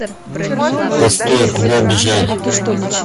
Постой, куда бежать?